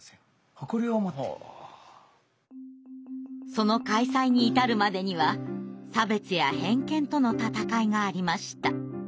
その開催に至るまでには差別や偏見との闘いがありました。